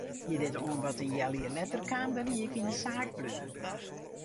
Hie dit oanbod in healjier letter kaam dan hie ik yn de saak bleaun.